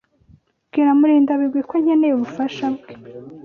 Bwira Murindabigwi ko nkeneye ubufasha bwe.